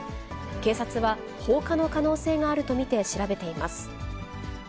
警察は放火の可能性があると見て調べています。